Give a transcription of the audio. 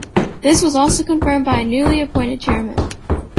This was also confirmed by the newly appointed chairman.